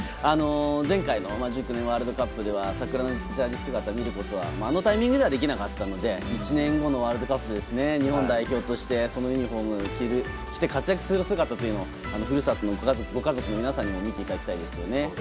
前回のワールドカップでは桜のジャージー姿を見ることはあのタイミングではできなかったので１年後のワールドカップで日本代表としてユニフォームを着て活躍する姿を故郷のご家族の皆さんにも見てほしいですよね。